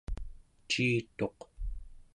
ciituq